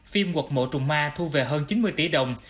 phim quật mộ trùng ma thu về hơn chín mươi tỷ đồng